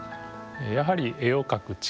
やはり絵を描く力